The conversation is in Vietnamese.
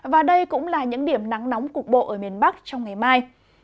và đây cũng là những điểm nắng nóng cục bộ ở miền bắc trong ngày mai